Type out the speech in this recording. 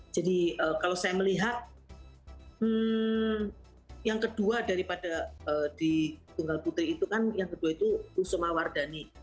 jadi kalau saya melihat yang kedua daripada di tunggal putri itu kan yang kedua itu usuma wardhani